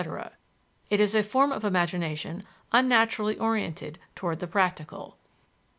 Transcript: It is a form of imagination unnaturally oriented toward the practical.